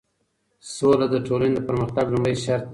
سوله د ټولنې د پرمختګ لومړی شرط دی.